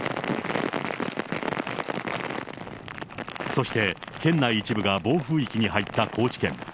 そして、県内一部が暴風域に入った高知県。